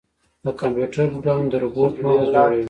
د کمپیوټر پروګرامونه د روبوټ مغز جوړوي.